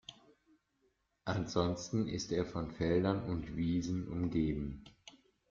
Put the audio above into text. Ansonsten ist er von Feldern und Wiesen umgeben.